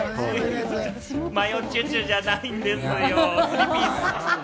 マヨチュチュじゃないんですよ。